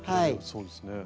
そうですね。